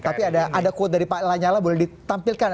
tapi ada quote dari pak lanyala boleh ditampilkan